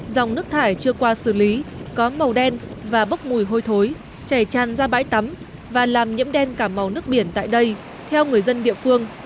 dòng nước thải chưa qua xử lý có màu đen và bốc mùi hôi thối chảy tràn ra bãi tắm và làm nhiễm đen cả màu nước biển tại đây theo người dân địa phương